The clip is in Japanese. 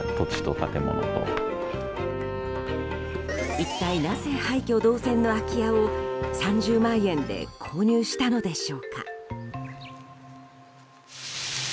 一体なぜ、廃虚同然の空き家を３０万円で購入したのでしょうか。